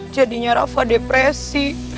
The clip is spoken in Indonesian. jadinya rafa depresi